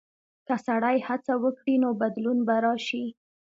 که سړی هڅه وکړي، نو بدلون به راشي.